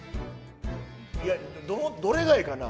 いやどれがええかな？